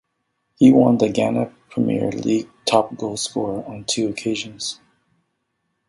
He won the Ghana Premier League top goal scorer on two occasions.